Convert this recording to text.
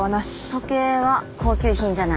時計は高級品じゃない。